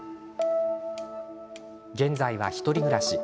現在は１人暮らし。